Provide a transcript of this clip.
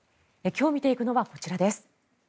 今日見ていくのはこちらです。